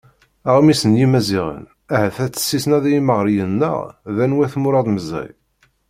Aɣmis n Yimaziɣen: Ahat ad tessisneḍ i yimeɣriyen-nneɣ d anwa-t Muṛad Meẓri?